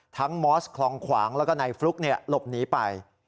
มอสคลองขวางแล้วก็นายฟลุ๊กหลบหนีไป